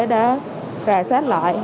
đã rà sát lại